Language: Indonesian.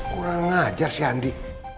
kurang ngajar si andi